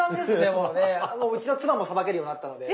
もううちの妻もさばけるようになったので。